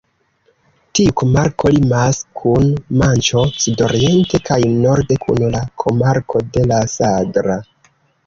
Tiu komarko limas kun Manĉo sudoriente kaj norde kun la komarko de la Sagra.